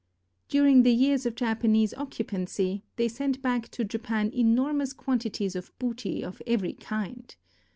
During the years of Japanese occupancy they sent back to Japan enormous quantities of booty of every kind.